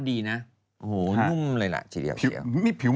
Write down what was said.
นี่แหละคนละตัว